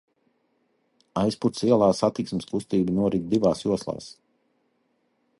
Aizputes ielā satiksmes kustība norit divās joslās.